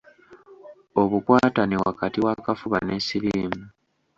Obukwatane wakati w’akafuba ne siriimu.